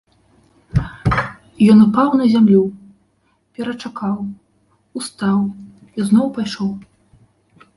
Ён упаў на зямлю, перачакаў, устаў і зноў пайшоў.